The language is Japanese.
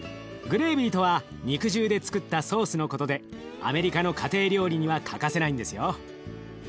グレービーとは肉汁でつくったソースのことでアメリカの家庭料理には欠かせないんですよ。